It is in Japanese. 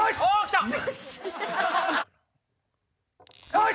よし！